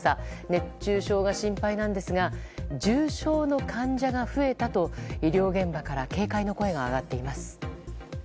熱中症が心配なんですが重症の患者が増えたと医療現場から警戒の声が上がっています。